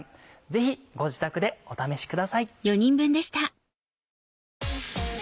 ぜひご自宅でお試しください。